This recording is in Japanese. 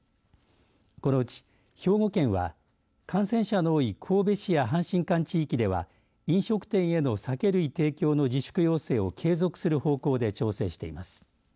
このうち兵庫県は感染者の多い神戸市や阪神間地域では飲食店への酒類提供の自粛要請を継続する方向で調整しています。